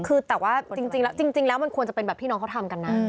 คือแต่ว่าจริงแล้วมันควรจะเป็นแบบที่น้องเขาทำกันนะ